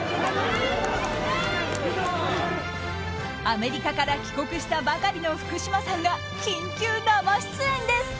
アメリカから帰国したばかりの福島さんが緊急生出演です！